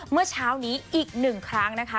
เมื่อเช้านี้อีกหนึ่งครั้งนะคะ